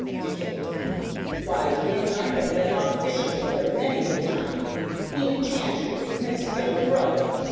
(to Kate); "why, he and I have been out fishing together many's the time, he and Chantrey, his next younger brother.